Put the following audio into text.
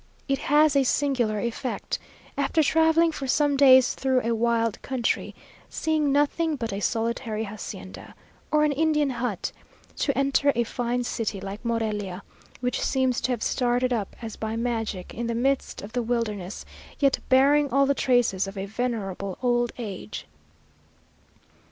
It has a singular effect, after travelling for some days through a wild country, seeing nothing but a solitary hacienda, or an Indian hut, to enter a fine city like Morelia, which seems to have started up as by magic in the midst of the wilderness, yet bearing all the traces of a venerable old age.